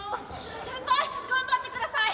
先輩頑張ってください。